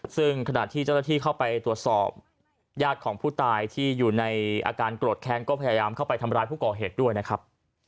ซึ่งขณะที่เจ้าหน้าที่เข้าไปตรวจสอบญาติของผู้ตายที่อยู่ในอาการโกรธแค้นก็พยายามเข้าไปทำร้ายผู้ก่อเหตุด้วยนะครับ